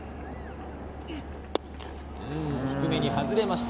うん、低めに外れました。